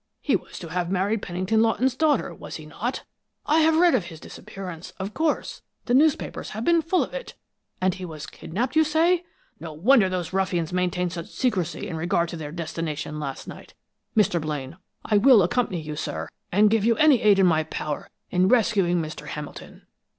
He was to have married Pennington Lawton's daughter, was he not? I have read of his disappearance, of course; the newspapers have been full of it. And he was kidnaped, you say? No wonder those ruffians maintained such secrecy in regard to their destination last night! Mr. Blaine, I will accompany you, sir, and give you any aid in my power, in rescuing Mr. Hamilton!"